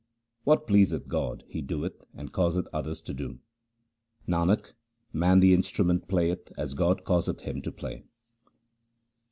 What pleaseth God He doeth and causeth others to do. Nanak, man the instrument playeth as God causeth him to play.